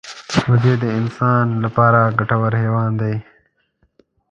وزې د انسان لپاره ګټور حیوان دی